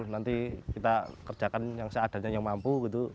nanti kita kerjakan yang seadanya yang mampu gitu